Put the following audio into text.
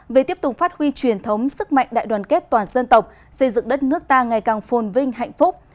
về tiếp tục phát huy truyền thống sức mạnh đại đoàn kết toàn dân tộc xây dựng đất nước ta ngày càng phồn vinh hạnh phúc